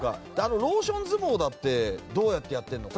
ローション相撲だってどうやってやってんのかね。